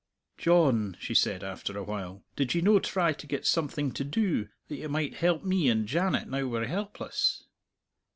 "John," she said, after a while, "did ye no try to get something to do, that you might help me and Janet now we're helpless?"